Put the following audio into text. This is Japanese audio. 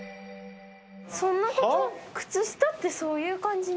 そんなこと靴下ってそういう感じなんだっけ？